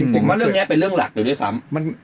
ผมว่าเรื่องนี้เป็นเรื่องหลักเลยด้วยซ้ำ